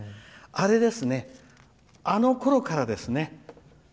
あれですね、あのころからですね。